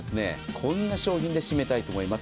こんな商品で締めたいと思います。